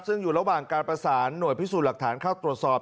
ซึ่งอยู่ระหว่างการประสานหน่วยพิสูจน์หลักฐานเข้าตรวจสอบ